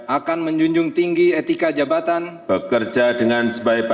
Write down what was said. akan menjunjung tinggi etika jabatan